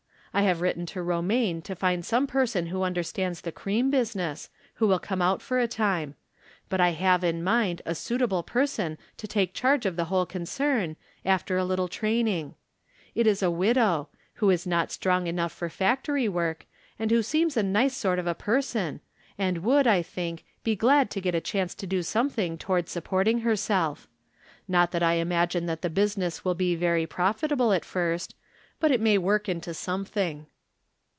I have written to Ro maine to find some person who understands the cream business, who wiU come out for a. time ; but I have in mind a suitable person to take charge of the whole concern, after a little train ing. It is a widow, who is not strong enough for factory work, and who seems a nice sort of a per son, and would, I think, be glad to get a chance to do something toward supporting herself. Not From Different Standpoints. 165 that I imagine that the business will be very profitable, at first, but it may work into some thing.